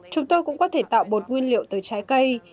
chúng tôi cũng có thể tạo bột nguyên liệu tới trái cây